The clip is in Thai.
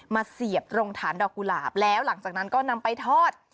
เสียบตรงฐานดอกกุหลาบแล้วหลังจากนั้นก็นำไปทอด